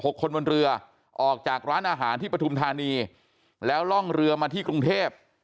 คนบนเรือออกจากร้านอาหารที่ปฐุมธานีแล้วล่องเรือมาที่กรุงเทพ